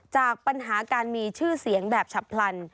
จากปัญหาการมีชื่อเสียงแบบฉับพลัน